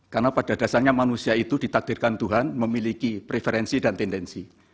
karena pada dasarnya manusia itu ditakdirkan tuhan memiliki preferensi dan tendensi